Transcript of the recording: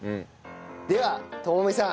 では智美さん。